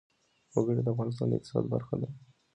وګړي د افغانستان د اقتصاد برخه ده.